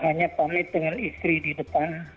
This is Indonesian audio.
hanya pamit dengan istri di depan